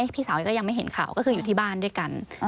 พี่สาวก็ยังไม่เห็นข่าวก็คืออยู่ที่บ้านด้วยกัน